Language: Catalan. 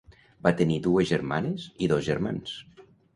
Va tenir dues germanes i dos germans.